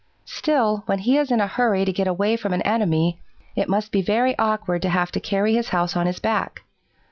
Still, when he is in a hurry to get away from an enemy, it must be very awkward to have to carry his house on his back.